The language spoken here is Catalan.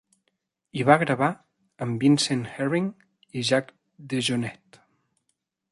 Hi va gravar amb Vincent Herring i Jack DeJohnette.